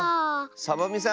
サボみさん